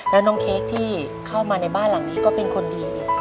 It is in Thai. แล้วน้องเค้กที่เข้ามาในบ้านหลังนี้ก็เป็นคนดี